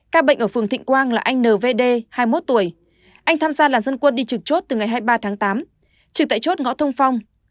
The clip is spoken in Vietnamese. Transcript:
ca bệnh ở phường thịnh quang là anh nvd hai mươi một tuổi anh tham gia làn dân quân đi trực chốt từ ngày hai mươi ba tháng tám trực tại chốt ngõ thông phong